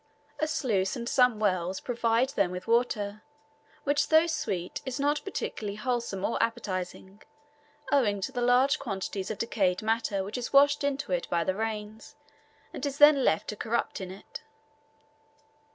A sluice and some wells provide them with water, which though sweet is not particularly wholesome or appetizing, owing to the large quantities of decayed matter which is washed into it by the rains, and is then left to corrupt in it.